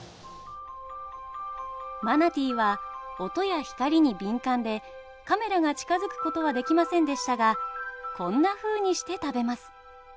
マナティーは音や光に敏感でカメラが近づくことはできませんでしたがこんなふうにして食べます。